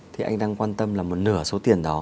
thì anh đang quan tâm là một nửa số tiền đó